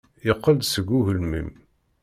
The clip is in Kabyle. Yeqqel-d seg ugelmim.